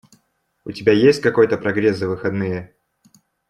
У тебя есть какой-то прогресс за выходные?